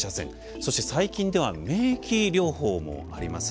そして最近では免疫療法もあります。